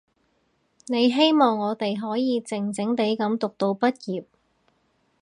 你希望我哋可以靜靜地噉讀到畢業